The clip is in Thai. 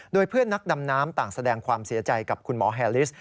โดยเพื่อนนักดำน้ำต่างแสดงความเสียใจกับคุณหมอแฮลิส